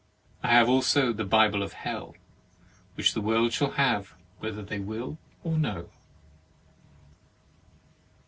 I have also the Bible of Hell, which the world shall have whether they will or no.